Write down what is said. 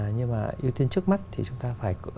nhưng mà ưu tiên trước mắt thì chúng ta phải